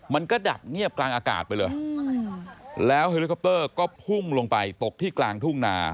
มันก็ดับเงียบกลางอากาศไปเลยแล้วเฮลิคอปเตอร์ก็พุ่งลงไปตกที่กลางทุ่งนา